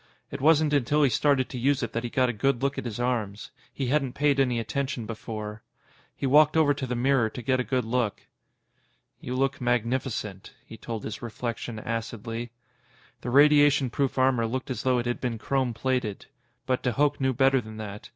It wasn't until he started to use it that he got a good look at his arms. He hadn't paid any attention before. He walked over to the mirror to get a good look. "You look magnificent," he told his reflection acidly. The radiation proof armor looked as though it had been chrome plated. But de Hooch knew better than that.